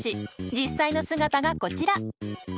実際の姿がこちら。